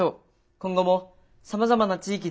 今後もさまざまな地域で。